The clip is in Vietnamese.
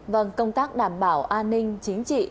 vâng công tác đảm bảo an ninh chính trị